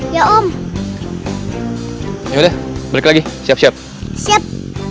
ya om udah berkali siap siap siap